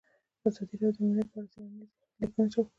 ازادي راډیو د امنیت په اړه څېړنیزې لیکنې چاپ کړي.